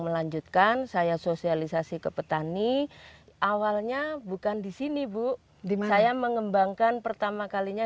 melanjutkan saya sosialisasi ke petani awalnya bukan di sini bu saya mengembangkan pertama kalinya